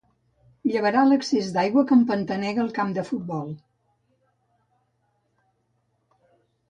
Llevarà l'excés d'aigua que empantanega el camp de futbol.